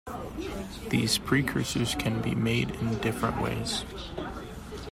These precursors can be made in different ways.